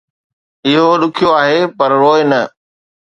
اهو ڏکيو آهي، پر روء نه